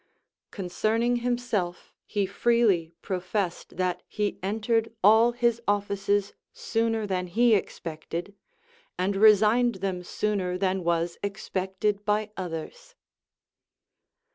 Concerning himself he freely pro fessed, that he entered all his offices sooner than he ex pected, and resigned them sooner than was expected by others.